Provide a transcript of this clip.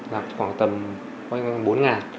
là khoảng tầm bốn ngàn